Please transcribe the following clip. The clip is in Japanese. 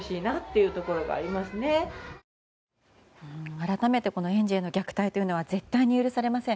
改めて園児への虐待というのは絶対に許されません。